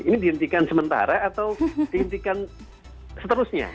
ini dihentikan sementara atau dihentikan seterusnya